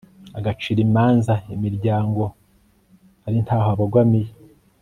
agacira imanza imiryango ari nta ho abogamiye